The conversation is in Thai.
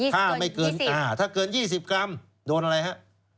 ถ้าไม่เกิน๒๐กรัมโดนอะไรฮะ